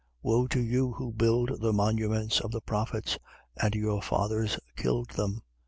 Woe to you who build the monuments of the prophets: and your fathers killed them.